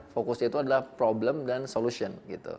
fokusnya itu adalah problem dan solution